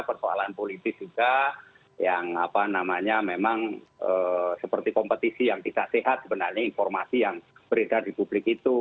persoalan politis juga yang apa namanya memang seperti kompetisi yang tidak sehat sebenarnya informasi yang beredar di publik itu